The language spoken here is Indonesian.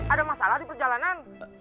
ada masalah di perjalanan